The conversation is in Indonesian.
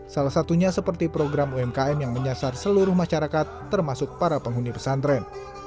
salah satunya seperti program umkm yang menyasar seluruh masyarakat termasuk para penghuni pesantren